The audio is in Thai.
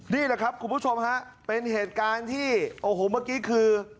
นี่แหละครับคุณผู้ชมฮะเป็นเหตุการณ์ที่โอ้โหเมื่อกี้คือ